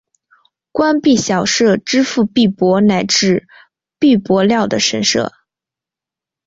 官币小社支付币帛乃至币帛料的神社。